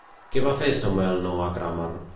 Què va fer Samuel Noah Kramer?